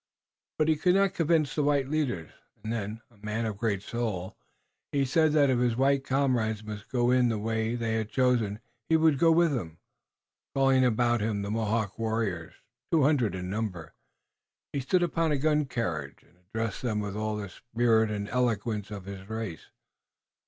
But he could not convince the white leaders, and then, a man of great soul, he said that if his white comrades must go in the way they had chosen he would go with them. Calling about him the Mohawk warriors, two hundred in number, he stood upon a gun carriage and addressed them with all the spirit and eloquence of his race.